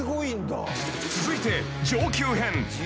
［続いて上級編］